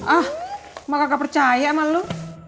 ah mah kagak percaya sama lo